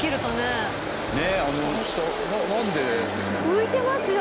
浮いてますよ